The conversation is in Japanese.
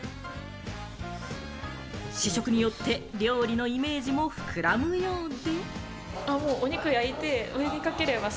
試食によって料理のイメージも膨らむようで。